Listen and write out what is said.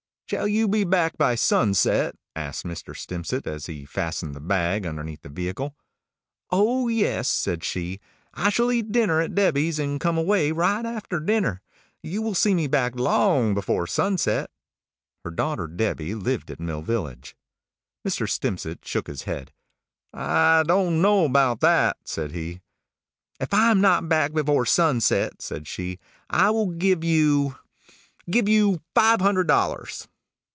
"Shall you be back by sunset?" asked Mr. Stimpcett, as he fastened the bag underneath the vehicle. "Oh yes," said she; "I shall eat dinner at Debby's, and come away right after dinner. You will see me back long before sunset." Her daughter Debby lived at Mill Village. Mr. Stimpcett shook his head. "I don't know about that," said he. "If I am not back before sunset," said she, "I will give you give you five hundred dollars."